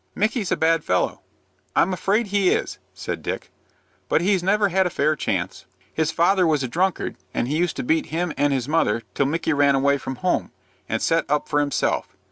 "Micky's a bad fellow." "I'm afraid he is," said Dick; "but he's never had a fair chance. His father was a drunkard, and used to beat him and his mother, till Micky ran away from home, and set up for himself.